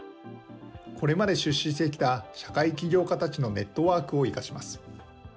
これまで出資してきた社会起業家たちのネットワークを生かします。